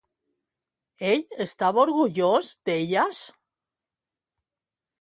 Ell estava orgullós d'elles?